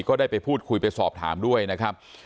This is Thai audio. ก็ได้ไปพูดคุยไปสอบถามด้วยนะครับ